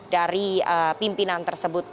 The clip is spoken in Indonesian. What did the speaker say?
dari pimpinan tersebut